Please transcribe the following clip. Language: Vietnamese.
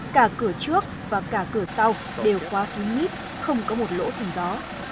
cả cửa trước và cả cửa sau đều qua phía mít không có một lỗ thùng gió